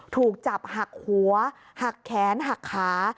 ถูกจับหักหัวหักแขนหักขา